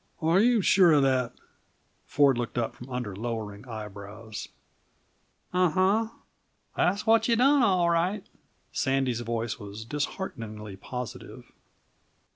"Are you sure of that?" Ford looked up from under lowering eyebrows. "Unh hunh that's what you done, all right." Sandy's voice was dishearteningly positive.